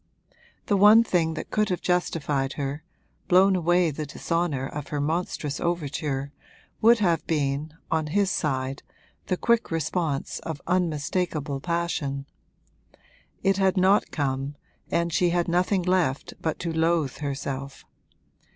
The one thing that could have justified her, blown away the dishonour of her monstrous overture, would have been, on his side, the quick response of unmistakable passion. It had not come, and she had nothing left but to loathe herself.